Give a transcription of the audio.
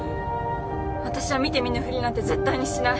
私は見て見ぬふりなんて絶対にしない。